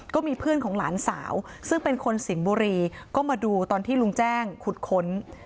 ก็มีเพื่อนของหลานสาวซึ่งเป็นคนสิงห์บุรีก็มาดูตอนที่ลุงแจ้งขุดค้น